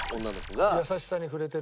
優しさに触れてる？